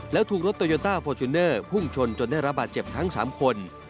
แล้วถูกรถโตโยต้าฟอร์จูเนอร์พุ่งชนจนได้รับบาดเจ็บทั้ง๓คน